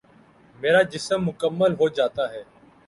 میرا جسم مکمل ہو جاتا ہے ۔